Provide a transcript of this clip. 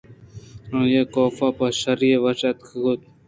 آئی ءَکاف پہ شرّی وش اتک کُت